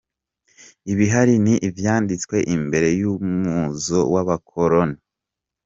Ibihari ni ivyanditswe imbere y'umuzo w'abakoloni.